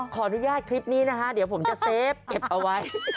ขออนุญาตคลิปนี้นะคะเดี๋ยวผมจะเซฟเก็บเอาไว้